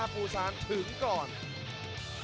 หัวจิตหัวใจแก่เกินร้อยครับ